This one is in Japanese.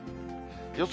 予想